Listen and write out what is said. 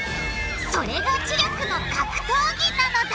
それが知力の格闘技なのだ！